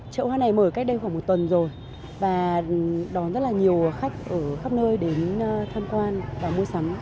chợ hoa này mở cách đây khoảng một tuần rồi và đón rất là nhiều khách ở khắp nơi đến tham quan và mua sắm